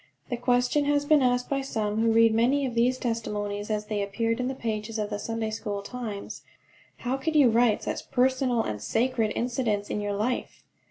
The question has been asked by some who read many of these testimonies as they appeared in the pages of The Sunday School Times: "How could you write such personal and sacred incidents in your life?"